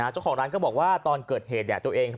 เจ้าของร้านก็บอกว่าตอนเกิดเหตุเนี่ยตัวเอง